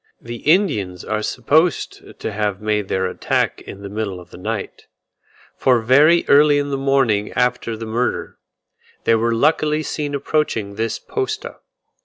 The Indians are supposed to have made their attack in the middle of the night; for very early in the morning after the murder, they were luckily seen approaching this posta.